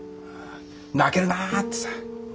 泣けるなぁってさ。